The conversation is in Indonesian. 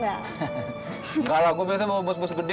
hehehe engga lah gue biasanya bawa bus bus gede